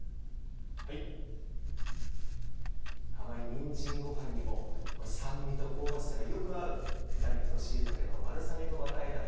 甘いにんじんごはんにもこの酸味と香ばしさがよく合う「豚肉と椎茸のバルサミコバター炒め」